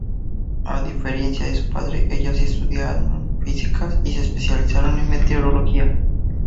A diferencia de su padre, ellas sí estudiaron Físicas y se especializaron en Meteorología.